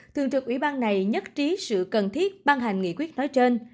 thường trực ủy ban này nhất trí sự cần thiết ban hành nghị quyết nói trên